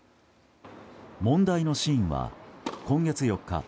問題のシーンは、今月４日